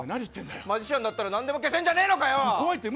マジシャンだったら何でも消せんじゃねえのかよ。